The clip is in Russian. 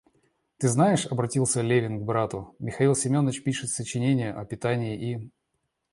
Ты знаешь, — обратился Левин к брату, — Михаил Семеныч пишет сочинение о питании и...